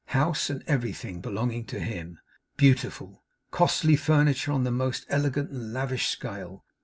House and everything belonging to him, beautiful. Costly furniture on the most elegant and lavish scale.